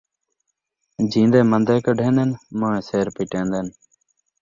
جین٘دیں من٘دے کڈھین٘دن ، موئیں سِر پٹین٘دن